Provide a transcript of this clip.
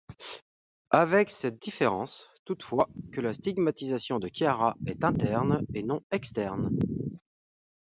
Avec cette différence, toutefois, que la stigmatisation de Chiara est interne et non externe.